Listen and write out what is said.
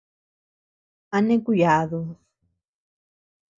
¿A neʼe kuyadud?